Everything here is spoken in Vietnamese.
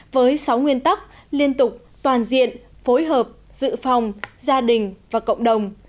với sáu nguyên tắc liên tục toàn diện phối hợp dự phòng gia đình và cộng đồng